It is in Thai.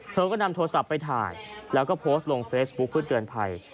เธอก็นำโทรศัพท์ไปถ่ายแล้วก็โพสต์ลงเฟซบุ๊คเพื่อเตือนภัย